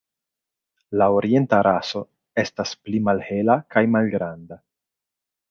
La orienta raso estas pli malhela kaj malgranda.